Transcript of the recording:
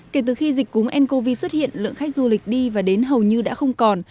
kể từ khi dịch cúm ncov xuất hiện lượng khách du lịch đi và đến hầu như đã không còn